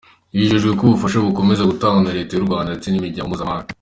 Hijejwe ko ubufasha bukomeza gutangwa na Leta y’u Rwanda ndetse n’imiryango mpuzamahanga.